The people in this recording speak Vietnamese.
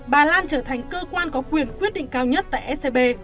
bà lan trở thành cơ quan có quyền quyết định cao nhất tại scb